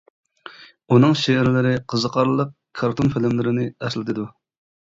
ئۇنىڭ شېئىرلىرى قىزىقارلىق كارتون فىلىملىرىنى ئەسلىتىدۇ.